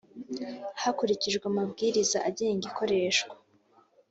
hakurikijwe amabwiriza agenga ikoreshwa